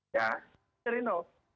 ya dari nol